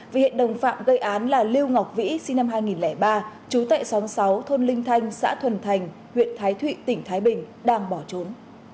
vì hiện đồng phạm gây án là liêu ngọc vĩ sinh năm hai nghìn ba chú tệ xóng sáu thôn linh thanh xã thuần thành huyện thái thụy tỉnh thái bình đang bỏ trốn